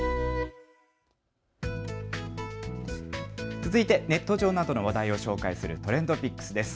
続いてネット上の話題を紹介するＴｒｅｎｄＰｉｃｋｓです。